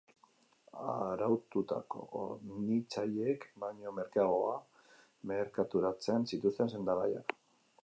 Araututako hornitzaileek baino merkeago merkaturatzen zituzten sendagaiak.